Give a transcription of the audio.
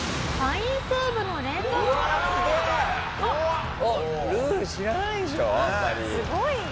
すごい。